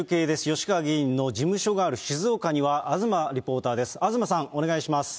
吉川議員の事務所がある静岡には、東リポーターです。